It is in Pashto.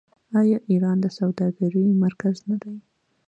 آیا ایران د سوداګرۍ مرکز نه دی؟